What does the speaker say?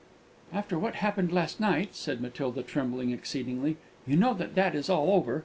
"After what happened last night," said Matilda, trembling exceedingly, "you know that that is all over.